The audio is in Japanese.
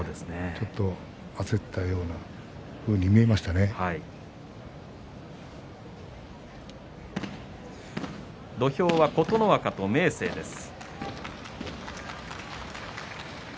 ちょっと焦ったようなふうに土俵は琴ノ若と明生です。